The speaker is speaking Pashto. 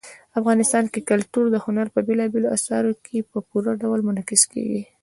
افغانستان کې کلتور د هنر په بېلابېلو اثارو کې په پوره ډول منعکس کېږي.